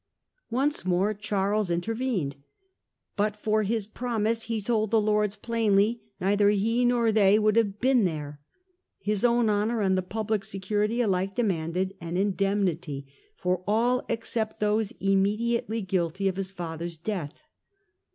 Once more Charles intervened. But for his promise, he told the Lords plainly, neither he nor they would have been there ; his own honour and the public security alike demanded an indemnity for all except those immediately guilty of his father's death.